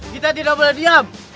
kita tidak boleh diam